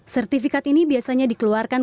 sertifikat ini biasanya dikeluarkan